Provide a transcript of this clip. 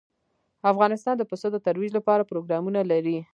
افغانستان د پسه د ترویج لپاره پروګرامونه لري.